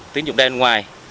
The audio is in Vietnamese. tiến dụng đen ngoài